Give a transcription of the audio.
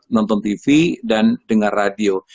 nonton tv dan dengar radio